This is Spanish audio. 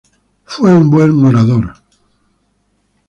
Fue un buen orador.